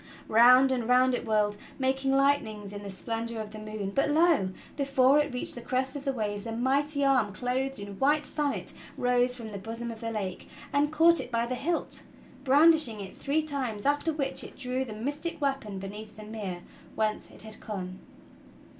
Round and round it whirled, making light nings in the splendor of the moon; but lo! before it reached the crest of the waves a mighty arm clothed in white samite rose from the bosom of the lake and caught it by the hilt, brandishing it three times, after which it drew the mystic weapon beneath the mere whence it had come.